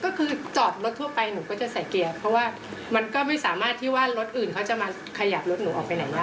ก็คือจอดรถทั่วไปหนูก็จะใส่เกียร์เพราะว่ามันก็ไม่สามารถที่ว่ารถอื่นเขาจะมาขยับรถหนูออกไปไหนได้